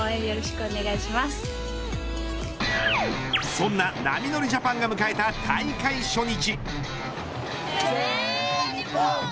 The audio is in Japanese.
そんな波乗りジャパンが迎えた大会初日。